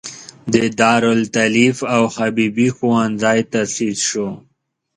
د دارالتالیف او حبیبې ښوونځی تاسیس شول.